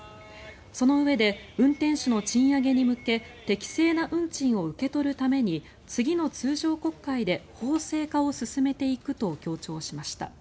そのうえで運転手の賃上げに向け適正な運賃を受け取るために次の通常国会で法制化を進めていくと強調しました。